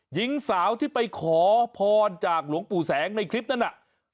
หญิงสาวที่ไปขอพรจากหลวงปู่แสงในคลิปนั้นน่ะ